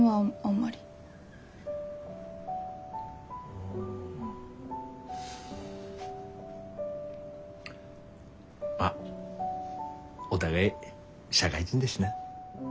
まあお互い社会人だしな。